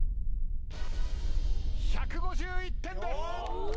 １５１点です。